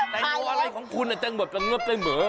แตงโมอะไรของคุณแตงเหมือน